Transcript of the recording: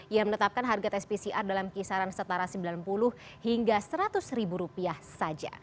ia menetapkan harga tes pcr dalam kisaran setara sembilan puluh hingga seratus ribu rupiah saja